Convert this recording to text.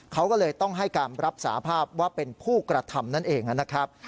เขาก็เลยต้องให้การรับสาภาพว่าเป็นผู้กระทำนั่นเองนะครับ